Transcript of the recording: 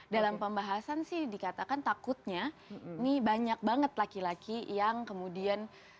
dalam pembahasan sih dikatakan takutnya ini banyak banget laki laki yang kemudian